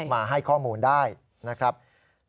มาให้ข้อมูลได้นะครับ